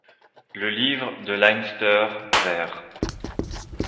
Le Livre de Leinster vers.